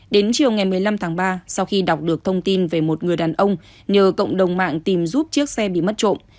đến chiều ngày một mươi năm tháng ba sau khi đọc được thông tin về một người đàn ông nhờ cộng đồng mạng tìm giúp chiếc xe bị mất trộm